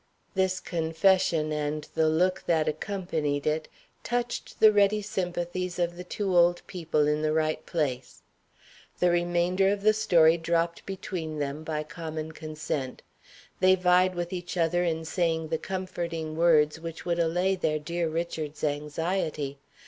This confession, and the look that accompanied it, touched the ready sympathies of the two old people in the right place. The remainder of the story dropped between them by common consent. They vied with each other in saying the comforting words which would allay their dear Richard's anxiety.